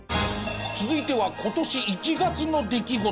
続いては今年１月の出来事カメ。